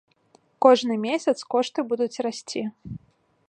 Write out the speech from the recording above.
Кожны месяц кошты будуць расці.